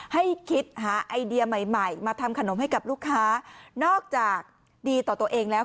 ให้คิดหาไอเดียใหม่ใหม่มาทำขนมให้กับลูกค้านอกจากดีต่อตัวเองแล้ว